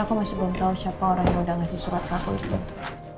aku masih belum tau siapa orang yang udah ngasih surat kakunya